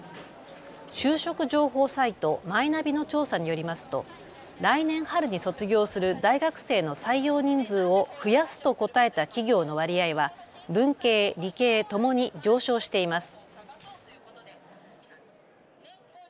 就職情報サイト、マイナビの調査によりますと来年春に卒業する大学生の採用人数を増やすと答えた企業の割合は文系、理系ともに上昇しています。